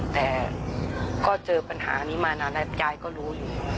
แต่ก็เจอปัญหานี้มานานแล้วยายก็รู้อยู่